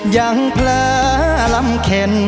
อย่างปลอรำเข็น